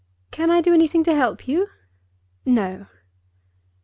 "Can I do anything to help you?" "No."